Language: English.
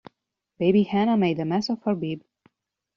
Baby Hannah made a mess of her bib.